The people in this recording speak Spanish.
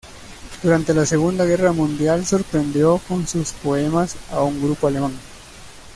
Durante la Segunda Guerra Mundial, sorprendió con sus poemas a un grupo alemán.